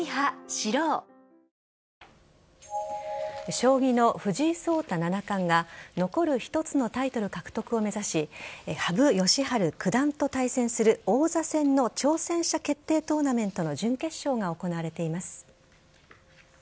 将棋の藤井聡太七冠が残る１つのタイトル獲得を目指し羽生善治九段と対戦する王座戦の挑戦者決定トーナメントの準決勝が行われています。